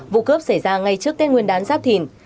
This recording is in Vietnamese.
vụ cướp xảy ra ngay trước tên nguyên đán giáp thìn